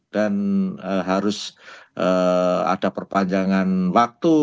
dan harus ada perpanjangan waktu